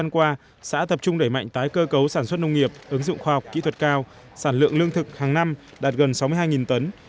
kỹ thuật cao sản lượng lương thực hàng năm đạt gần sáu mươi hai tấn